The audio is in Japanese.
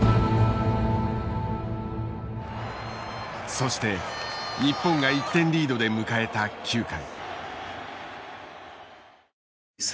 そして日本が１点リードで迎えた９回。